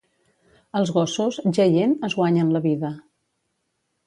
Els gossos, jaient, es guanyen la vida.